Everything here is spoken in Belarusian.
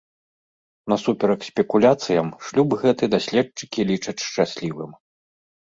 Насуперак спекуляцыям, шлюб гэты даследчыкі лічаць шчаслівым.